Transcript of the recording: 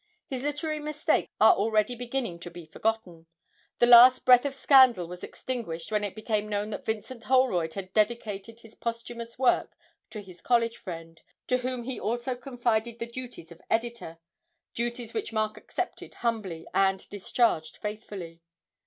His literary mistakes are already beginning to be forgotten; the last breath of scandal was extinguished when it became known that Vincent Holroyd had dedicated his posthumous work to his college friend, to whom he also confided the duties of editor duties which Mark accepted humbly, and discharged faithfully.